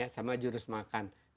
sama jurus makan